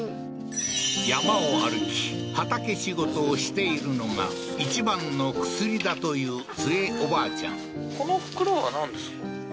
山を歩き畑仕事をしているのが一番の薬だというツヱおばあちゃんなんですか？